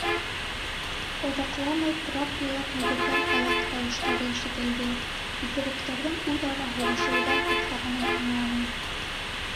Оҙаҡламай трап буйлап йүгергән аяҡ тауыштары ишетелде, иҫеректәрҙең үҙ-ара һуғышыуҙан туҡтағанын аңланым.